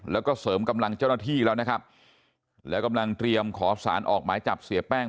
แล้วก็เสริมกำลังเจ้าหน้าที่แล้วนะครับแล้วกำลังเตรียมขอสารออกหมายจับเสียแป้ง